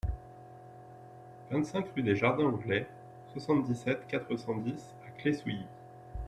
vingt-cinq rue des Jardins Anglais, soixante-dix-sept, quatre cent dix à Claye-Souilly